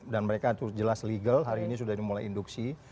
dan mereka itu jelas legal hari ini sudah dimulai induksi